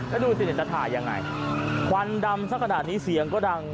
แล้วดูสิเนี่ยจะถ่ายยังไงควันดำสักขนาดนี้เสียงก็ดัง